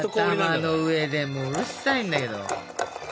頭の上でもううるさいんだけど。